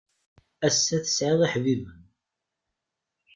Ass-a tesɛiḍ iḥbiben.